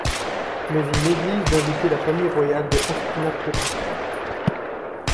Mais il néglige d'inviter la famille royale de Hastinapura.